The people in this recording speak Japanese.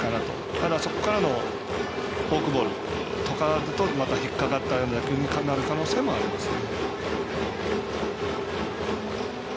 ただ、そこからのフォークボールがあるとまた引っ掛かったような打球になる可能性もありますね。